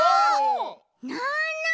なな！